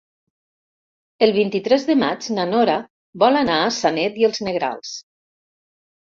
El vint-i-tres de maig na Nora vol anar a Sanet i els Negrals.